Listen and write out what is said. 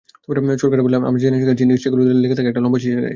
চোরকাঁটা বলে আমরা যে জিনিসটাকে চিনি, সেগুলো লেগে থাকে একটা লম্বা শীষের গায়ে।